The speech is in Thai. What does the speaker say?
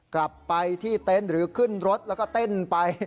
กลับไปที่เต็นต์หรือขึ้นรถแล้วก็เต้นไป